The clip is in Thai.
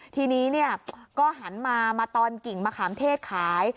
ทีนี้ก็หันมามาตอนกิ่งมะขามเทศขาย